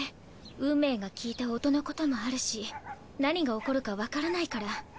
運命が聞いた音のこともあるし何が起こるかわからないから。